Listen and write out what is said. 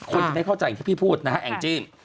คนจะได้เข้าใจอย่างที่พี่พูดนะฮะแองจี้